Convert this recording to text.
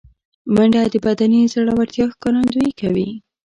منډه د بدني زړورتیا ښکارندویي کوي